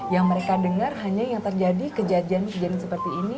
yang mereka dengar hanya yang terjadi kejadian kejadian seperti ini